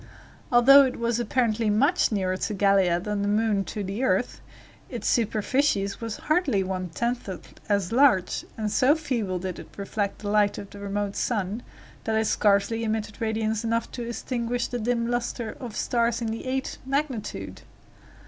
Although it was apparently much nearer to Gallia than the moon to the earth, its superficies was hardly one tenth as large, and so feebly did it reflect the light of the remote sun, that it scarcely emitted radiance enough to extinguish the dim luster of stars of the eighth magnitude.